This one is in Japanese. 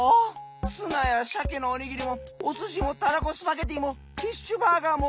ツナやしゃけのおにぎりもおすしもたらこスパゲティーもフィッシュバーガーも！